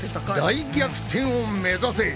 大逆転を目指せ！